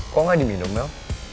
kok nggak diminum mel